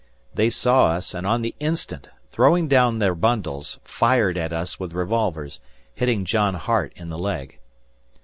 They saw us and, on the instant, throwing down their bundles, fired at us with revolvers, hitting John Hart in the leg.